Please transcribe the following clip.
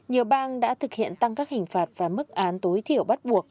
nhiều bang đã thực hiện tăng các hình phạt và mức án tối thiểu bắt buộc